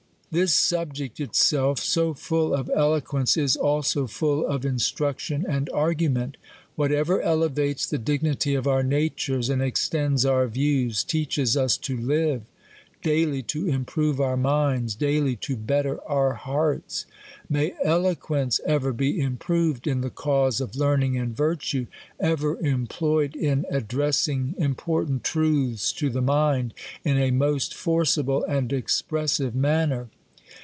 This subject, itself so full of Eloquence, is also full of instruction and argument. Whatever elevates the dig nity of our natures, and extends our views, teaches us to live ; daily to improve our minds ; daily to better our hearts. May ELOQUENCE ever be improved in the cause of learning and virtue ; ever employed in ad dressing important truths to the mind, inja most forcible 2nd expressive manner.